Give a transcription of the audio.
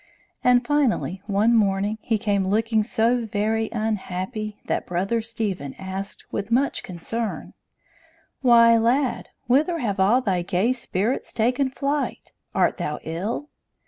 And finally, one morning, he came looking so very unhappy, that Brother Stephen asked, with much concern: "Why, lad, whither have all thy gay spirits taken flight? Art thou ill?"